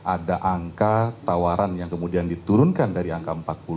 ada angka tawaran yang kemudian diturunkan dari angka empat puluh